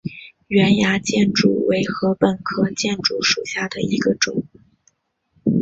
圆芽箭竹为禾本科箭竹属下的一个种。